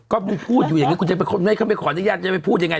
ก็พูดอยู่อย่างนี้ก็ไม่ขออนุญาตจะไปพูดยังไง